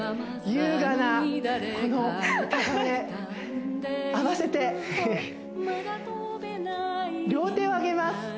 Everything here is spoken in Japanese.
優雅なこの歌声合わせて両手を上げます